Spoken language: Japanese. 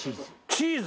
チーズ？